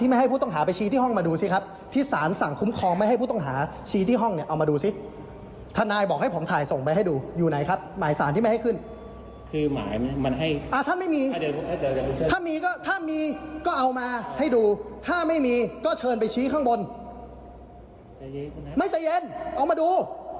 ไม่ใจเย็นเอามาดู